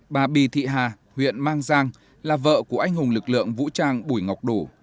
bà bì thị hà huyện mang giang là vợ của anh hùng lực lượng vũ trang bùi ngọc đủ